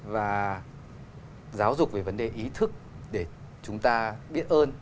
và giáo dục về vấn đề ý thức để chúng ta biết ơn